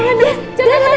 pasuk ke judi lebih